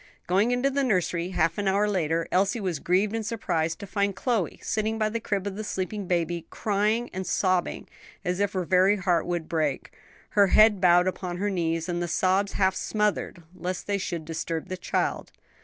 Going into the nursery half an hour later, Elsie was grieved and surprised to find Chloe sitting by the crib of the sleeping babe, crying and sobbing as if her very heart would break, her head bowed upon her knees, and the sobs half smothered, lest they should disturb the child.